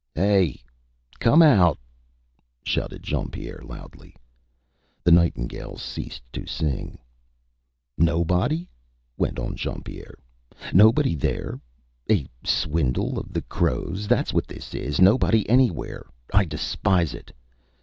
ÂHey! Come out!Â shouted Jean Pierre, loudly. The nightingales ceased to sing. ÂNobody?Â went on Jean Pierre. ÂNobody there. A swindle of the crows. ThatÂs what this is. Nobody anywhere. I despise it.